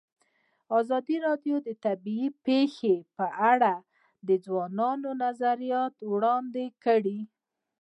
ازادي راډیو د طبیعي پېښې په اړه د ځوانانو نظریات وړاندې کړي.